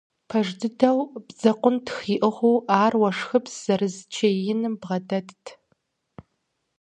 Пэж дыдэу, бдзэкъунтх иӀыгъыу ар уэшхыпс зэраз чей иным бгъэдэтт.